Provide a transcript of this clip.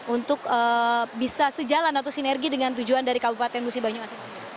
untuk bisa sejalan atau sinergi dengan tujuan dari kabupaten musi banyu asin sendiri